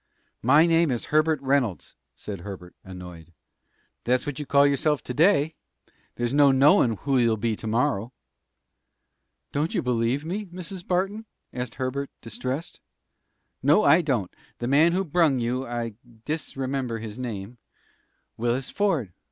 "My name is Herbert Reynolds," said Herbert, annoyed. "That's what you call yourself to day. There's no knowin' who you'll be to morrow." "Don't you believe me, Mrs. Barton?" asked Herbert, distressed. "No, I don't. The man who brung you I dis remember his name " "Willis Ford."